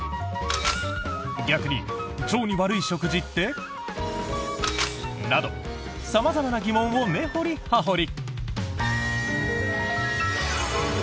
逆に腸に悪い食事って？など様々な疑問を根掘り葉掘り！